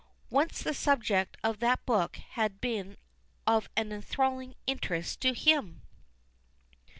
Once the subject of that book had been of an enthralling interest to him.